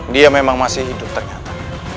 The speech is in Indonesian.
dia memang masih hidup ternyata